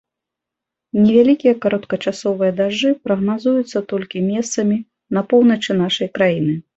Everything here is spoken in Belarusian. Невялікія кароткачасовыя дажджы прагназуюцца толькі месцамі на поўначы нашай краіны.